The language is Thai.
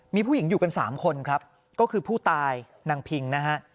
มีผู้หญิงอยู่กัน๓คนครับก็คือผู้ตายนางพิงนะฮะ